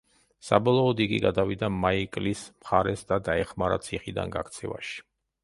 საბოლოოდ იგი გადავიდა მაიკლის მხარეს და დაეხმარა ციხიდან გაქცევაში.